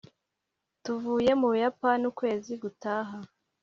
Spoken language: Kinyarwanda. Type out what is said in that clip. tuvuye mu buyapani ukwezi gutaha